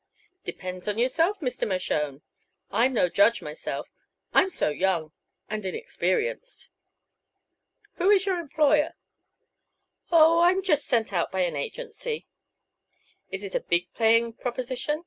"Depends on yourself, Mr. Mershone; I'm no judge, myself. I'm so young and inexperienced." "Who is your employer?" "Oh, I'm just sent out by an agency." "Is it a big paying proposition?"